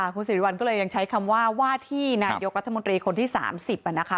คุณสิริวัลก็เลยยังใช้คำว่าว่าที่นายกรัฐมนตรีคนที่๓๐นะคะ